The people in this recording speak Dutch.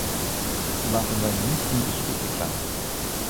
Laten wij niet in discussie gaan.